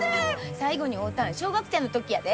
最後に会うたん小学生の時やで。